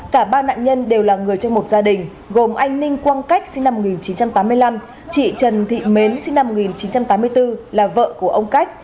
cả ba nạn nhân đều là người trong một gia đình gồm anh ninh quang cách sinh năm một nghìn chín trăm tám mươi năm chị trần thị mến sinh năm một nghìn chín trăm tám mươi bốn là vợ của ông cách